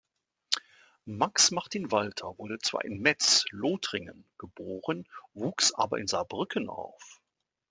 Max Martin Walter wurde zwar in Metz, Lothringen, geboren, wuchs aber in Saarbrücken auf.